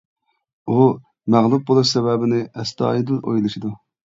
ئۇ مەغلۇپ بولۇش سەۋەبىنى ئەستايىدىل ئويلىشىدۇ.